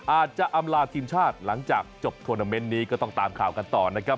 อำลาทีมชาติหลังจากจบทวนาเมนต์นี้ก็ต้องตามข่าวกันต่อนะครับ